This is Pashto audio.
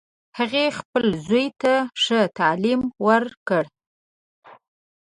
هغې خپل زوی ته ښه تعلیم ورکړ